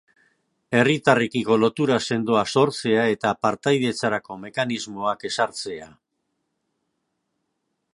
Herritarrekiko lotura sendoa sortzea eta partaidetzarako mekanismoak ezartzea.